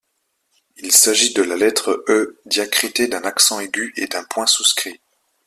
Il s’agit de la lettre E diacritée d’un accent aigu et d’un point souscrit.